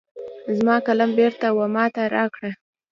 زما قلم بیرته وماته را روا کړه